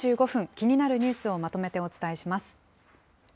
気になるニュースをまとめてお伝えします。